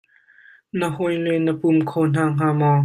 Na hawile na pum kho hna hnga maw?